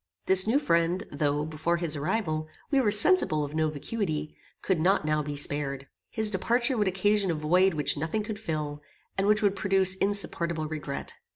This new friend, though, before his arrival, we were sensible of no vacuity, could not now be spared. His departure would occasion a void which nothing could fill, and which would produce insupportable regret.